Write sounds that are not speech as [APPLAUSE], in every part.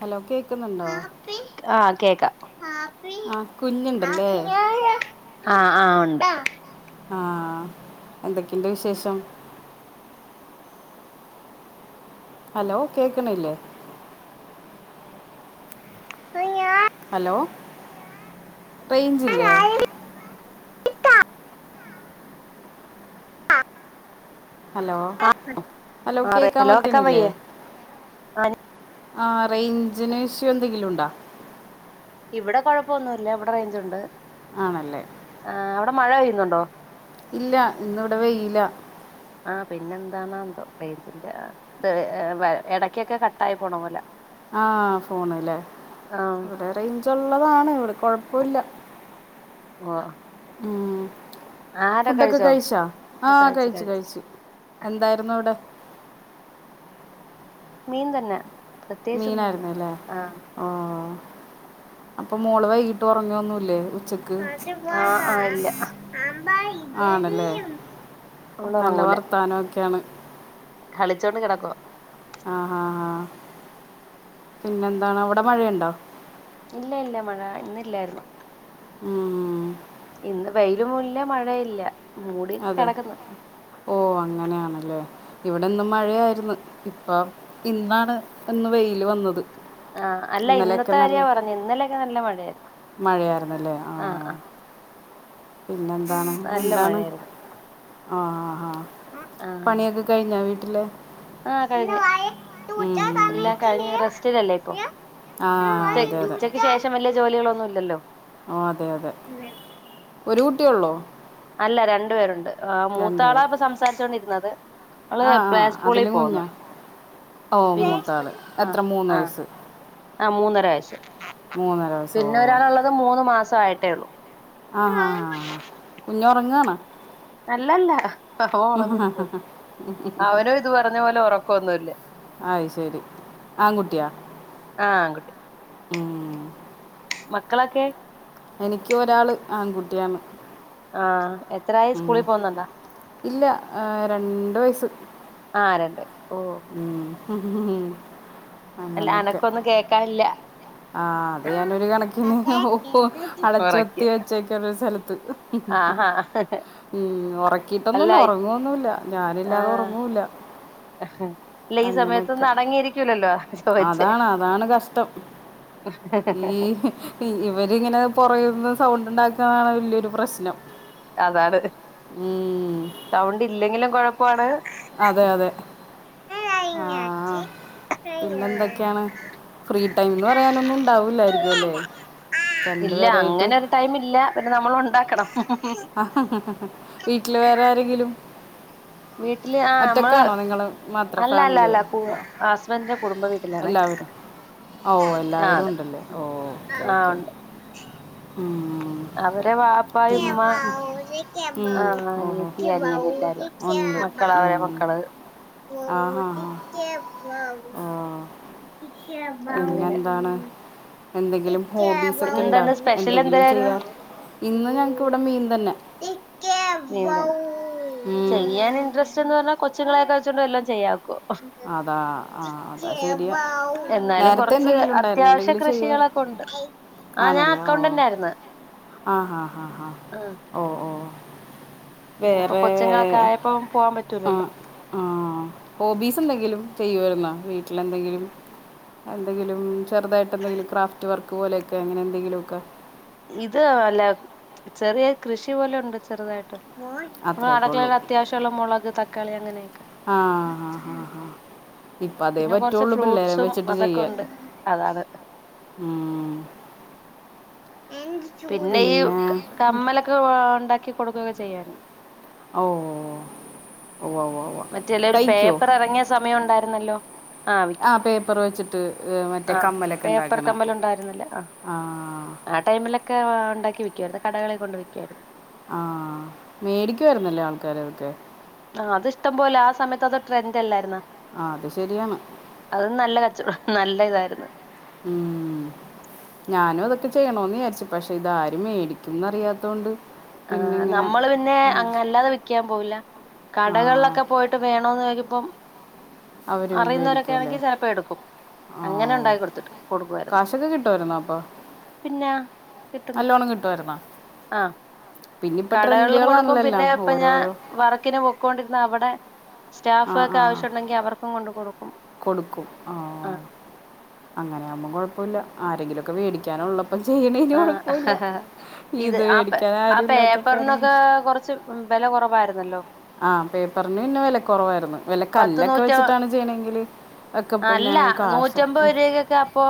Hello കേൾക്കുന്നുണ്ടോ ആഹ് കേക്കാം ആഹ് ആഹ കുഞ്ഞുണ്ടല്ലേ? ആഹ ആ ഉണ്ട്. ആഹ എന്തൊക്കെയുണ്ട് വിശേഷം? ഹലോ കേക്കണില്ലേ? [UNINTELLIGIBLE] ഹലോ റേൻഞ്ചില്ലെ? [UNINTELLIGIBLE] ഹലോ ആ ഹലോ ആ കേൾക്കാൻ ഹലോ കേക്കാ പറ്റണില്ലേ വയ്യേ? ആഹ് ആ റേഞ്ചിന് ഇഷ്യു എന്തെങ്കിലും ഉണ്ടോ? ഇവിടെ കുഴപ്പൊന്നുമല്ല ഇവിടെ റേഞ്ച് ഉണ്ട്. ആണല്ലേ ആ അവിടെ മഴ പെയ്യുന്നുണ്ടോ? ഇല്ല ഇന്ന ഇവിടെ വെയിലാ ആ പിന്നെ എന്താണ എന്തോ റേഞ്ചിന്റെ ഇടക്കൊക്കെ കട്ട ആയി പോണ പോലെ. ആ ഫോൺ ല്ലേ ആഹ് ഇവിടെ റേഞ്ച് ഉള്ളതാണ് ഇവിടെ.. കൊഴപ്പല്ല ആഹ ഉം ഫുഡൊക്കെ കഴിച്ചോ കഴിച്ചാ ആഹ കഴിച്ചു കഴിച്ചു എന്തായിരുന്നു അവിടെ? മീൻ തന്നെ പ്രത്യേകിച്ചൊന്നുല്ല മീനായിരുന്നല്ലേ ആഹ് ഓ.. അപ്പൊ മോള് വൈകിട്ട് ഉറങ്ങൊന്നുല്ലേ? ആ ആ ഇല്ല ആണല്ലേ അവള് നല്ല ഉറങ്ങൂല വർത്താന ഒക്കെയാണ് കളിച്ചോണ്ട് കിടക്കുവാ ആഹ് ഹ് ഹ ഹ പിന്നെന്താണ് അവിടെ മഴയുണ്ടോ? ഇല്ല ഇല്ല മഴ ഇന്നില്ലായിരുന്നു. ഉം ഇന്ന് വെയില് ഇല്ല മഴയില്ല മൂടി അതെ കിടക്കുന്നു ഓ അങ്ങനെയാണല്ലേ.. ഇവിടെ ഇന്ന് മഴയായിരുന്നു ഇപ്പം ഇന്നാണ് ഇന്ന് വെയില് വന്നത് ആഹ അല്ല ഇന്നലെയൊക്കെ ഇന്നത്തെ നല്ല കാര്യ പറഞ്ഞത് ഇന്നലെയൊക്കെ നല്ല മഴയായിരുന്നു. മഴയായിരുന്നല്ലേ ആ ആഹ് ആഹ് പിന്നെന്താണ് നല്ല എന്താണ് മഴയായിരുന്നു ആ ഹാ ഹാ പണിയൊക്കെ കഴിഞ്ഞാ വീ. ട്ടില്ലേ..? ആ കഴിഞ്ഞു എല്ലാം കഴിഞ്ഞ റെസ്റ്റിലല്ലേ ഇപ്പൊ ആ അതെ അതെ ഉച്ചക്ക് ശേഷം വലിയ ജോലികളൊന്നും ഇല്ലല്ലോ ഓ അതെ അതെ ഒരു കുട്ടിയൊള്ളോ അല്ല രണ്ടു പേരുണ്ട് ആ മൂത്താളാ പേര് ഇപ്പൊ സംസാരിച്ചോണ്ടിരുന്നത് ഓൾ ആ ആ പ്ലേ സ്കൂളിൽ അതിലും പോകുന്നു കുഞ്ഞാ ഓ മൂത്ത ആൾ ആഹ എത്ര മൂന്ന് ആഹ വയസ്സ് ആഹ മൂന്നര വയസ്സ് മൂന്നര വയസ്സ് ഓ പിന്നെ ഒരാളുള്ളത് മൂന്ന് മാസയിട്ടേ ഉള്ളൂ ആഹാ ആ കുഞ്ഞ് ഉറങ്ങാണോ അല്ലല്ല അവനൊണർന്നിരിപ്പുണ്ട് അവനും ഇത് പറഞ്ഞ പോലെ ഉറക്കൊന്നുല്ല അയ് ശരി ആൺകുട്ടിയാ ആഹ് ആൺകുട്ടി ഉം മക്കളെക്കെ എനിക്ക് ഒരാള് ആൺകുട്ടിയാണ് ആ എത്രായായി ഉം. സ്കൂളിൽ പോകുന്നുണ്ടോ ഇല്ല രണ്ട് വയസ്സ് ആഹ് രണ്ടായി ഓ ഉം അല്ല അങ്ങനെയൊക്കെ അനക്കൊന്നും കേക്കാനില്ല ആ അത് ഞാനൊരു കണക്കിന് ഓ ഉറക്ക അടച്ചൊത്തി വെച്ചേക്കാണ് ഒരു സ്ഥലത്ത് ത്ത് ഉം ആഹാ ഉം ഉം അല്ല ഒറക്കീട്ടൊന്നുയില്ല ഒറങ്ങുവൊന്നുയില്ല ഞാനില്ലാതെ ആഹ് ഉറങ്ങൂല്ല ഇല്ല ഈ സമയത്തൊന്നും അടങ്ങിയിരിക്കൂലല്ലോ ചോദിച്ചേ അതാണ് അതാണ് കഷ്ടം ഈ ഇവരിങ്ങനെ പുറകിന്ന് സൗണ്ട് ഉണ്ടാക്കുന്നതാണ് വെലിയൊരു പ്രശ്നം അതാണ് ഉം, സൗണ്ടില്ലെങ്കിലും കൊഴപ്പാണ് അതെ അതെ ഏ ആ പിന്നെന്തൊക്കെയാണ് ഫ്രീ ടൈംന്ന് പറയാനൊന്നും ഉണ്ടാവൂല്ലായിരിക്കും അല്ലേ ഇല്ല രണ്ടുപേരായിട്ട് അങ്ങനെ ഒരു ടൈം ഇല്ല പിന്നെ നമ്മൾ ഒണ്ടാക്കണം ആ വീട്ടില് വേറെ ആരെങ്കിലും വീട്ടില് ആ നമ്മള് ഒറ്റക്കാണോ നിങ്ങൾ മാത്രം അല്ല അല്ല അല്ല ഫാമിലി ഹസ്ബൻഡിന്റെ കുടുംബവീട് എല്ലാമെ എല്ലാവരും ഓ എല്ലാവരും ഒണ്ടല്ലേ ഓ ഓക്കെ ആ ഓക്കേ ഉണ്ട് ഉം അവരെ വാപ്പയെ പിന്നെ ഉമ്മ ഉം. ഉം. ആ ഓഹോ അനിയത്തി അനിയൻ എല്ലാവരും ഉണ്ട് മക്കള് അവരെ ഉം. മക്കള് ആ ഹാ ഹാ ഓ അങ്ങനെ പിന്നെന്താണ് എന്തെങ്കിലും ഹോബീസ് ഒക്കെ ഒണ്ടോ പിന്നെന്താന്ന് സ്പെഷ്യൽ എന്തെങ്കിലും എന്തായിരുന്നു ചെയ്യാൻ ഇന്ന് ഞങ്ങക്കിവിടെ മീൻ തന്നെ ഉം. ചെയ്യാൻ ഇൻട്രസ്റ്റ്ന്ന് പറഞ്ഞാ കൊച്ചുങ്ങളെക്കെ വെച്ച് തെടിനിടം എല്ലാം ചെയ്യാ ഒക്കുവേ അതാ ആ അതാ ശരിയാ എന്നാലും നേരത്തെ കെറച്ച് എന്തെങ്കിലും ഉണ്ടായിരുന്നു അത്യാവിശ്യ എന്തെങ്കിലും കൃഷികളൊ ചെയ്യുമായിരുന്നു കൊണ്ട് ആ ഞാൻ ആണല്ലേ ഓ അക്കൗണ്ടന്റ് ആയിരുന്നു ആ ആ ആ ആ ഓ ഓ പിന്നെപ്പോ വേറെ കൊച്ചുങ്ങളൊക്കെ ആയപ്പോ പോവാൻ ആ പറ്റൂലല്ലോ ആ ഹോബീസ് എന്തെങ്കിലും ചെയ്യുവാരുന്നോ വീട്ടിലെന്തെങ്കിലും എന്തെങ്കിലും ചെറുതായിട്ട് എന്തെങ്കിലും ക്രാഫ്റ്റ് വർക്ക് പോലെയൊക്കെ അങ്ങനെ എന്തെങ്കിലുമൊക്കെ ഇത് അല്ല ചെറിയ കൃഷി പോലെ ഉണ്ട് ചെറുതായിട്ട് നമ്മൾ അത്രയൊക്കെ ഉള്ളൂ അഅടുക്കളയിൽ അത്യാവശ്യമുള്ള മുളക് തക്കാളി അങ്ങനെയൊക്കെ ആ ആ ആ ആ ഇപ്പ അതേ പിന്നെ കൊറച്ച് പറ്റുള്ളു പിള്ളേരേം ഫ്രൂട്ട്സും വെച്ചിട്ട് അതൊക്കെ ചെയ്യാൻ ഉണ്ട് അതാണ് ഉം പിന്നെ ഈ കമ്മലൊക്കെ ഒണ്ടാക്കി കൊടുക്കൊക്കെ ചെയ്യുവായിരുന്നു. ഓഹ് മറ്റേല്ല ഒരു പേപ്പർ എറങ്ങിയ സമയം ഉണ്ടായിരുന്നല്ലോ. ആ വിക്കും ആഹ് പേപ്പർ വെച്ചിട്ട് മറ്റേ ആ കമ്മലൊക്കെ പേപ്പർ ഇണ്ടാക്കണ കമ്മൽ ഉണ്ടായിരുന്നില്ലേ ആ ഒക്കെ ഒണ്ടാക്കി വിയ്ക്കുവായിരുന്നു കടകളിൽ കൊണ്ട് വിയ്ക്കുവായിരുന്നു. ആഹ് മേടിക്കുവായിരുന്നല്ലേ ആൾക്കാര് അതൊക്കെ. ആ അതിഷ്ടം പോലെ ആ സമയത്ത് അത് ട്രെൻഡ് അല്ലായിരുന്നോ ആ അത് ശരിയാണ് അത് നല്ല കച്ചവടം നല്ല ഇതായിരുന്നു. ഉം ഞാനും അതൊക്കെ ചെയ്യണമന്ന് വിചാരിച്ചു പക്ഷേ ഇതാരും മേടിക്കും ന്നറിയാതോണ്ട് ആഹ് നമ്മള് പിന്നെ അങ്ങ അല്ലാതെ വിക്കാൻ പോവില്ല. ആ കടകളിലൊക്കെ പോയിട്ട് വേണന്ന് ചോയ്ക്കിമ്പം അവർ അറിയുന്നവരൊക്കെ മേടിക്കുമല്ലേ ആണെങ്കിൽ ചിലപ്പോ എടുക്കും. ആ അങ്ങനെ ഉണ്ടായി കൊടുത്തിട്ടു കൊടുക്കുവായിരുന്നു. കാശൊക്കെ കിട്ടുമായിരുന്നോ അപ്പോൾ പിന്നെ കിട്ടും കിട്ടും നല്ലോണം കിട്ടുമായിരുന്നോ ആഹ് പിന്നെ ഇപ്പം കടകളിലും കൊടുക്കും ട്രെൻഡുകളാണല്ലോ എല്ലാം പിന്നെ ഇപ്പൊ ഞാൻ ഓരോരോ വർക്കിന് പൊക്കൊണ്ടിരുന്ന അവിടെ സ്റ്റാഫ് ആ ഒക്കെ ആ ആവശ്യണ്ടെങ്കിൽ അവർക്കും കൊണ്ട് കൊടുക്കും. കൊടുക്കും ആ അങ്ങനെ ആകുമ്പോം കൊഴപ്പമില്ല ആരെങ്കിലുംമൊക്കെ വേടിക്കാനുള്ള പ്പ ചെയ്യണേന് കുഴപ്പോല്ല. ആഹ് ഇത് ആ ആ പേപ്പറിനൊക്കെ കുറച്ച് വില കുറവായിരുന്നു. ആഹ് പേപ്പറിന് പിന്നെ വില കുറവായിരുന്നു. വല്ല പത്ത് കല്ലൊക്കെ നൂറ്റ വെച്ചിട്ടാണ് ചെയ്യണെങ്കില് അല്ല നൂറ്റമ്പത് രുവൊക്കെ അപ്പൊ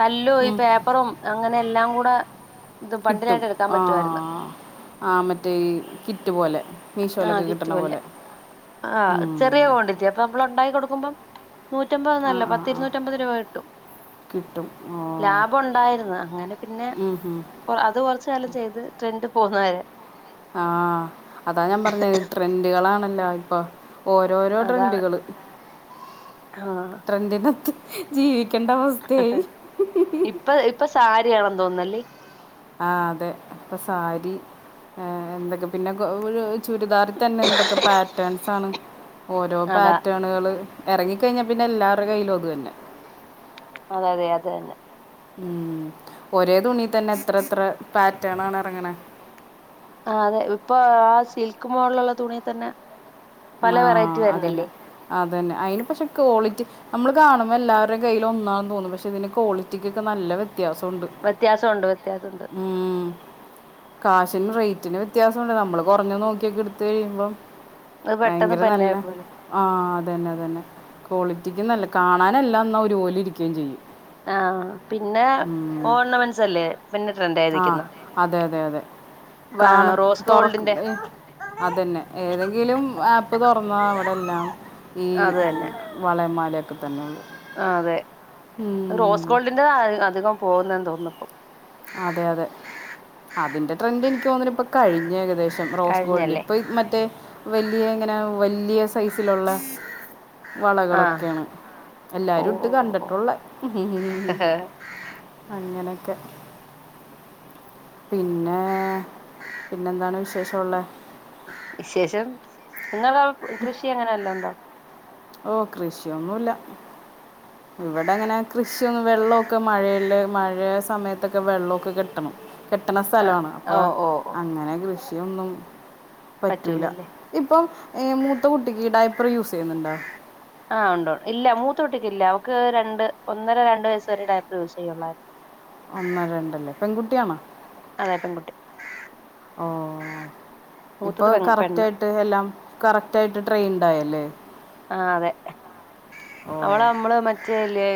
കല്ലും ഈ ഉം, പേപ്പറും അങ്ങനെ എല്ലാം കൂടെ ഇത് കിട്ടും ബണ്ടിലായിട്ട് എടുക്കാൻ പറ്റുവായിരുന്നു ആഹ് ആ മറ്റേ ഈ കിറ്റ് പോലെ ആഹ് മീഷോയിലൊക്കെ കിറ്റ് കിട്ടണ പോലെ. ആഹ് ഉം. ചെറിയ ക്വാണ്ടിറ്റി അപ്പൊ നമ്മൾ ഉണ്ടായി കൊടുക്കുമ്പം നൂറ്റമ്പത് ആ നല്ല ആ പത്ത് ആ ഇരുനൂറ്റമ്പത് രൂപ കിട്ടും. കിട്ടും ഓ ലാഭം ഉണ്ടായിരുന്നു. അങ്ങനെ പിന്നെ ഉം, ഉം. കൊ അത് കൊറച്ച് കാലം ചെയ്ത് ട്രെൻഡ് പോകുന്നവരെ. ആഹ് അതാ ഞാൻ പറഞ്ഞത് ട്രെൻഡുകളാണല്ലോ ഇപ്പൊ. ഓരോരോ അതാണ് ട്രെൻഡുകള് ട്രെൻഡിനത്ത് ജീവി ഇപ്പ ഇപ്പൊ സാരിയാണോ തോന്നുന്നല്ലേ? ആ അതെ പ്പൊ സാരി ഏഹ് എന്തൊക്കെ പിന്നെ ഒരു ചുരിദാർ തന്നെ എന്തൊക്കെ പാറ്റേൺസാണ്. ഓരോ അതാ പാറ്റേണുകള് ഇറങ്ങികഴിഞ്ഞ പിന്നെ എല്ലാവരുടെ കയ്യിലും അതു തന്നെ. അതെ അതെ അത് തന്നെ. ഉം ഒരേ തുണി തന്നെ എത്ര എത്ര പാറ്റേണാണ് ഇറങ്ങണെ. ആ അതെ ഇപ്പൊ ആ സിൽക്ക് മോഡലുള്ള തുണീതന്നെ ആഹ് അതന്നെ അ അതന്നെ അയിന് പക്ഷെ ക്വാളിറ്റി നമ്മൾ കാണുമ്പോ എല്ലാവരുടെ കയ്യിലും ഒന്നാന്ന് തോന്നും. പക്ഷേതിന്റെ ക്വാളിറ്റിക്കൊക്കെ നല്ല വ്യത്യ വ്യത്യാസുണ്ട് വ്യത്യാസമുണ്ട് വ്യത്യാസമുണ്ട് ഉം. കാശിന് റേറ്റിന് വ്യത്യാസുണ്ട് നമ്മള് കൊറഞ്ഞ നോക്കിയൊക്കെ എടുത്ത് കഴിയുമ്പം അത് പെട്ടെന്ന് ഭയങ്കര പന്നായ നല്ല പോലെ ആഹ് അതന്നെ അതന്നെ. ക്വാളിറ്റിക്ക് നല്ല കാണാനെല്ലാംന്നാ ഒരുപോലെ ഇരിക്കുകയും ചെയ്യും. ആഹ് പിന്നെ ഓർണമെന്റ്സ് അല്ലേ? പിന്നെ ട്രെൻഡ് ആയി ആഹ് നിൽക്കുന്ന അതെ അതെ അതെ കാണ് റോസ് ഗോൾഡിന്റെ തൊറക്ക് അതന്നെ ഏതെങ്കിലും ആപ്പ് തുറന്നാ അവിടെ എല്ലാം ഈ അത് തന്നെ വളേം മാലയൊക്കെ തന്നെയ അതെ റോസ് ഗോൾഡിന്റെത അധികം പോകുന്നന്ന് തോന്നുന്നപ്പം. അതെ അതെ അതിന്റെ ട്രെൻഡ് എനിക്ക് തോന്നി ഇപ്പൊ കഴിഞ്ഞ ഏകദേശം. റോസ് ഗോൾഡിന് കഴിഞ്ഞല്ലേ ഇപ്പൊ മറ്റേ വലിയ ഇങ്ങനെ വലിയ സൈസിലുള്ള ആ വളകളൊക്കെയാണ് ഓ എല്ലാരും ഇട്ട് ഓ ഓ കണ്ടിട്ടുള്ളേ ഉം ഉം അങ്ങനെയൊക്കെ പിന്നെ പിന്നെന്താണ് വിശേഷംള്ള വിശേഷം നിങ്ങ കൃഷി എങ്ങനെല്ല ഉണ്ടോ? ഓ കൃഷിയൊന്നു ഇല്ല ഇവിടെ അങ്ങനെ കൃഷിയൊന്നും വെള്ളമൊക്കെ മഴല്ല മഴയ സമയത്തൊക്കെ വെള്ളമൊക്കെ കെട്ടണം കെട്ടണ ആ സ്ഥലമാണ് അപ്പൊ ഓ ഓ ഓ അങ്ങനെ കൃഷിയൊന്നും. പറ്റൂല പറ്റൂലല്ലേ ഇപ്പം മൂത്ത കുട്ടിക്ക് ഡൈപ്പർ യൂസ് ചെയ്യുന്നുണ്ടോ? ആ ഉണ്ടൊ ഇല്ല മൂത്തൊട്ടിക്ക് ഇല്ല അവക്ക് രണ്ട് ഒന്നര രണ്ടു വയസ്സ് വരെ ഡടയപ്പ് യൂസ് ചെയ്യൊള്ളായിരുന്നു. ഒന്നര രണ്ടല്ലേ പെങ്കുട്ടിയാണോ? അതെ പെങ്കുട്ടി. ഓ ഇപ്പൊ പെണ്ണാ കറക്റ്റായിട്ട് എല്ലാം കറക്റ്റായിട്ട് ട്രെയിൻഡായല്ലേ? ആ അതെ അവള് ഓ അമ്മള് മറ്റേല്ലേ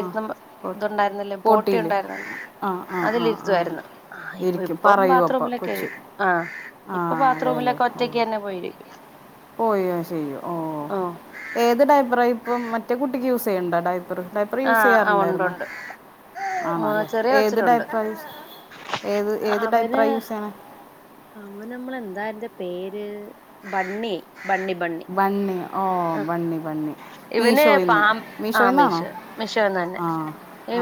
ആ പോട്ടെ ഇത്ണ്ടായിരുന്നില്ലേ പോട്ടി ഓട്ടിയിൽ ഉണ്ടായിരുന്നല്ലേ ആ ആ ആ ആ അതിലിരുത്തുവായിരുന്നു ആ ഇപ്പ ഇരിക്കും ഇപ്പം പറയും അപ്പം ബാത്റൂമിൽ കൊച്ച് ആ ആ ഇപ്പ അതെയല്ലേ ബാത്റൂമിലക്കെ ഓ ഒറ്റക്കന്നെ പോയിരിക്കും. പോയോ ചെയ്യോ ഓ ഓഹ് ഏത് ടൈപ്പറായിപ്പം മറ്റേ കുട്ടിക്ക് യൂസ് ചെയ്യണ്ടൊ? ഡയപ്പർ ഡൈപ്പർ യൂസ് ആഹ് ആഹ് ഉണ്ട് ചെയ്യാറുണ്ടായിരുന്നോ? ഉണ്ട് ആ, ആണോല്ലേ ചെറിയ ഏത് കൊച്ചിനുണ്ട് ഡൈപ്പറ യൂസ് ഏത് ഏത് ടൈപ്പറ യൂസ് ചെയ്യണെ അവനമ്മളെന്താ അയ്ന്റ പേര് ബണ്ണി ബണ്ണി ബണ്ണി ഓ ബണ്ണി ബണ്ണി മീഷോയിൽ നിന്ന് ഇവനെപ്പം മീഷോയിൽ നിന്നാണോ ആമേശർ മിഷോന്നന്നെ ആ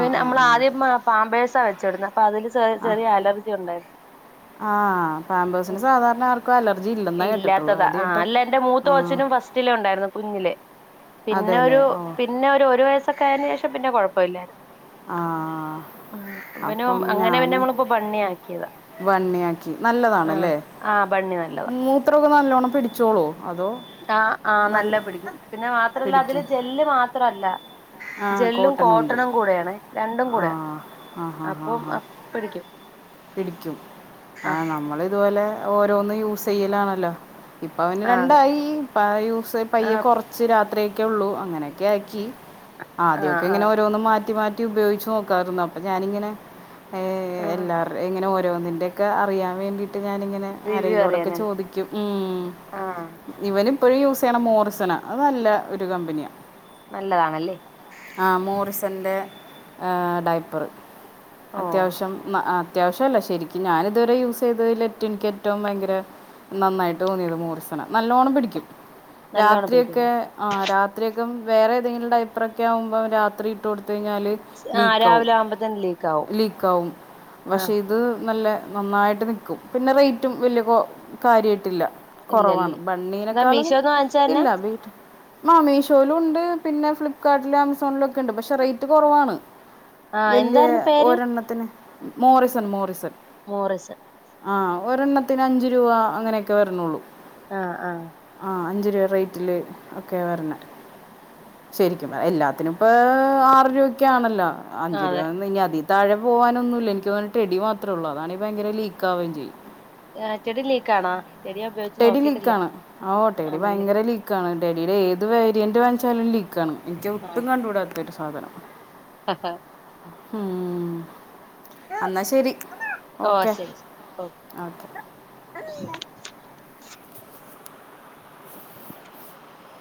ആ ആ അമ്മൾ ആ ആദ്യം പാമ്പേഴ്സാ വെച്ചിര്ന്നത് പ്പതില് സ ചെറിയ അലർജി ഉണ്ടായിരുന്നു ആ പാമ്പേഴസിന് സാധാരണ ആർക്കും അലർജി ഇല്ലെന്നാണ് കേട്ടിട്ടുള്ളൂ ഇല്ലാത്തതാ ആ ആദ്യമായിട്ടാണ് അല്ലന്റെ ആ മൂത്തോച്ചിനും ഫസ്റ്റിലെണ്ടായിരുന്നു കുഞ്ഞിലെ. പിന്നെ അതേല്ലേ ഒരു ഓ പിന്നെ ഒരു ഒരു വയസ്സൊക്കെ ആയേന് ശേഷം പിന്നെ കൊഴപ്പമില്ലായിരുന്നു. ആ ആ ഇവനും അപ്പം അങ്ങനെ പിന്നെ അമ്മളിപ്പോ ബണ്ണി ആക്കിയതാ വണ്ണിയാക്കി ആ നല്ലതാണല്ലേ ആ ബണ്ണി നല്ലതാ മൂത്രോക്കെ നല്ലോണ്ണം പിടിച്ചോളോ ആ ആ നല്ല പിടിക്കും പിന്നെ മാത്രല്ല അതില് പിടിക്കും ജെല്ല് മാത്രല്ല. ആ ജെല്ലും കോട്ടനുണ്ട് കോട്ടണും കൂടെയാണേ രണ്ടും ആ കൂടെയാ ആ ഹാ ഹാ അപ്പം ഹാ പിടിക്കും. പിടിക്കും ആ നമ്മളിതുപോലെ ഓരോന്ന് യൂസ് ചെയ്യലാണല്ലോ ഇപ്പ അവന് ആ അതെ രണ്ടായി പ യൂസ് ആ പയ്യെ കൊറച്ച് രാത്രിയൊക്കെള്ളു അങ്ങനൊക്കെ ആക്കി ആ ആദ്യൊക്കെ ആ ഇങ്ങനെ ഓരോന്നും മാറ്റി മാറ്റി ഉപയോഗിച്ച് നോക്കാരുന്നു. അപ്പൊ ഞാനിങ്ങനെ ഏ ആ എല്ലാർ ഇങ്ങനെ ഓരോന്നിന്റെക്കെ അറിയാൻ വേണ്ടിട്ട് ഞാനിങ്ങനെ റിവ്യൂ അരയിലോടൊക്കെ അറിയാനല്ലേ ചോദിക്കും ഉം ആഹ് ഇവനും ഇപ്പോഴും യൂസ് ചെയ്യണ മോറിസൺ അത് നല്ല ഒരു കമ്പനിയാ. നല്ലതാണല്ലേ? ന്റെ ആ ഡൈപ്പറ് ഓ അത്യാവശ്യം. അത്യാവശ്യല്ല ശെരിക്കും ഞാനിതുവരെ യൂസ് ചെയ്തതിലേറ്റ എനിക്ക് ഏറ്റൊം ഭയങ്കര നന്നായിട്ടോന്നിയത് മോറിസന നല്ലോണ്ണം പിടിക്കും. നല്ലോണം രാത്രി ഒക്കെ പിടിക്കല്ലേ ആ രാത്രിയൊക്കെ വേറെ ഏതെങ്കിലും ടൈപ്പറൊക്കെ ആവുമ്പം രാത്രി ടുത്തഴിഞ്ഞാല് ആഹ് ലീക്കാവും രാവിലെ ആവുമ്പോത്തന്നെ ലീക്ക് ആവും ലീക്കാവും പക്ഷേ ആഹ് ഇത് നല്ല നന്നായിട്ട് നിക്കും പിന്നെ റേറ്റും വല്യ കാര്യായിട്ടില്ല കൊറവാണ് ഇല്ലല്ലേ എന്താ ബണ്ണീനെക്കാളും മീഷോന്ന് വാങ്ങിച്ചതന്നാ ഇല്ല വീട്ട ആ മീഷോയിലും ഉണ്ട് പിന്നെ ഫ്ലിപ്കാർട്ടില ആമസോലൊെ ക്കെണ്ട് പക്ഷെ റേറ്റ് കൊറവാണ് ആഹ് വല്യ എന്തായിരുന്നു പേര് ഒരെണ്ണത്തിന്. മോറിസൺ മോറിസൺ മോറിസൺ ആ ഒരെണ്ണത്തിന് അഞ്ചു രൂവ അങ്ങനെക്കെ വരണള്ളൂ ആഹ ആ ആ അഞ്ച് രൂവ റേറ്റില് ഒക്കെ വരണ ശരിക്കും എല്ലാത്തിനും ഇപ്പൊ ആറരുവക്കാണല്ലോ അഞ്ചു അതെ രൂപന്ന് ഇനി അതി താഴെ പോകാൻ ഒന്നുമില്ല ഇനി ടെടി മാത്രേഉള്ളൂ അതാണ്യ ഭയങ്കര ലീക്കാവുകയും ചെയ്യും ആ ടെടിലീക്കിണാ ടെടി ലീക്കാണ് ഓ ടെടി ആണല്ലേ ഭയങ്കര ലീക്കാണ് ടിയുടെ ഏത് വേരിയന്റ് വാങ്ങിച്ചാലും ലീക്കാണ് എനിക്ക് ഒട്ടും കണ്ടുകൂടാത്ത ഒരു സാധനം ആഹ ഹം എന്നാ ശെരി ഓ ഓക്കെ ഓക്കേ അ [UNINTELLIGIBLE]